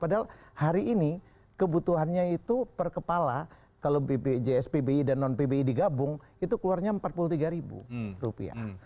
padahal hari ini kebutuhannya itu per kepala kalau bpjs pbi dan non pbi digabung itu keluarnya empat puluh tiga ribu rupiah